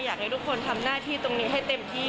อยากให้ทุกคนทำหน้าที่ตรงนี้ให้เต็มที่